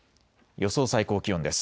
予想最高気温です。